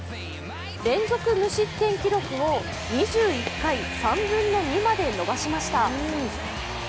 連続無失点記録を２１回３分の２まで伸ばしました。